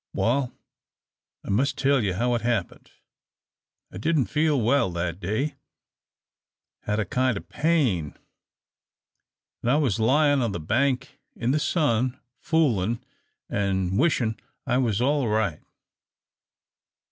Wal, I must tell how it happened. I didn't feel well that day had a kind o' pain, an' I was lyin' on the bank in the sun, foolin' an' wishin' I was all right.